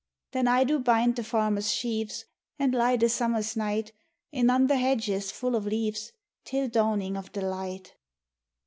Then I do bind the farmer's sheaves, And lie the summer's night In undher hedges full o' leaves Till dawning of the light.